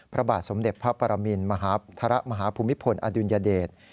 พระบาทสมเด็จพระปรมินมหาภูมิพลอดุลยเดช